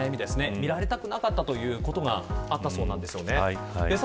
見られたくなかったということがあったそうです。